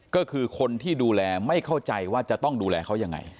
ก็คือคนที่ดูแลไม่เข้าใจว่าจะต้องดูแลเขายังไง